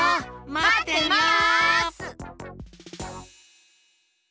まってます！